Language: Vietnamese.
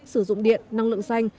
sử dụng điện năng lượng xanh